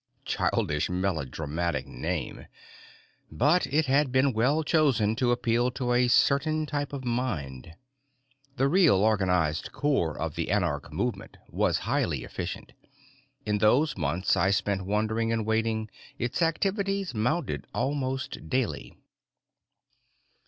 Childish, melodramatic name! But it had been well chosen to appeal to a certain type of mind. The real, organized core of the anarch movement was highly efficient. In those months I spent wandering and waiting, its activities mounted almost daily.